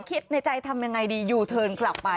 คิดในใจทำยังไงดียูเทิร์นกลับไป